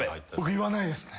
言わないですね。